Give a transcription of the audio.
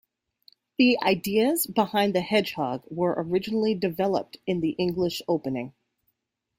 The ideas behind the Hedgehog were originally developed in the English Opening.